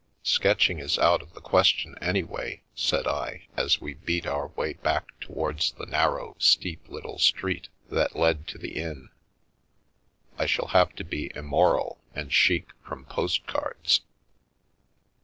" Sketching is out of the question, anyway," said I as we beat our way back towards the narrow, steep little street that led to the inn ;" I shall have to be immoral and ' sheek ' from postcards."